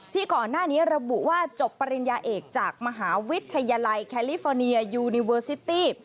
ก่อนหน้านี้ระบุว่าจบปริญญาเอกจากมหาวิทยาลัยแคลิฟอร์เนียยูนิเวอร์ซิตี้